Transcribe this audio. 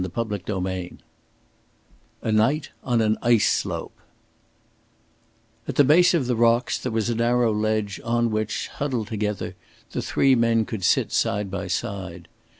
CHAPTER XXV A NIGHT ON AN ICE SLOPE At the base of the rocks there was a narrow ledge on which, huddled together, the three men could sit side by side.